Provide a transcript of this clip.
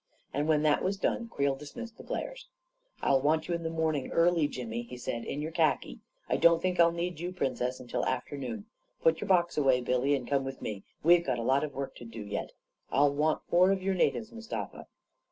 And when that was dones Creel dismissed the players. 41 I'll want you in the morning early, Jimmy," he said, " in your khaki. I don't think I'll need you, Princess, until afternoon. Put your box away, Billy, and come with me — we've got a lot of work to do yet. I'll want four of your natives, Mustafa."